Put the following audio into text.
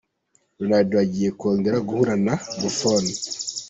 Ronaldo agiye kongera guhura na Buffon.